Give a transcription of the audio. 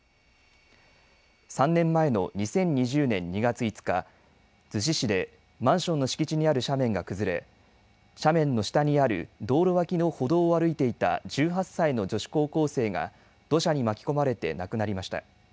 ３年前の２０２０年２月５日、逗子市でマンションの敷地にある斜面が崩れ斜面の下にある道路脇の歩道を歩いていた１８歳の女子高校生が土砂に巻き込まれて亡くなりました。